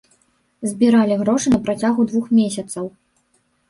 Збіралі грошы на працягу двух месяцаў.